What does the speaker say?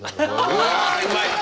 うまい！